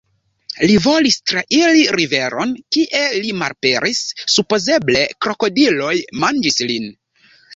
Li volis trairi riveron, kie li malaperis, supozeble krokodiloj manĝis lin.